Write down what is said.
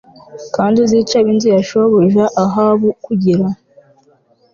kandi uzice ab inzu ya shobuja ahabu kugira